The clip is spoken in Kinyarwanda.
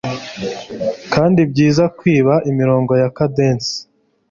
Kandi byiza kwiba imirongo ya kadence